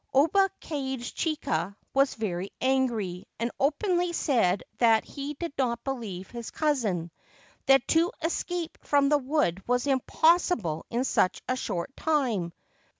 Oba Kage chika was very angry, and openly said that he did not believe his cousin — that to escape from the wood was impossible in such a short time.